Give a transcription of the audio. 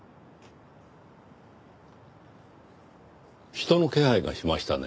人の気配がしましたね。